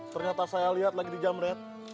ternyata saya lihat lagi di jam red